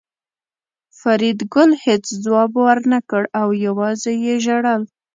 فریدګل هېڅ ځواب ورنکړ او یوازې یې ژړل